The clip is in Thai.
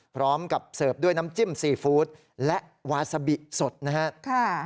พร้อมกับเสิร์ฟด้วยน้ำจิ้มซีฟู้ดและวาซาบิสดนะครับ